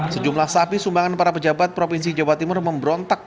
sejumlah sapi sumbangan para pejabat provinsi jawa timur memberontak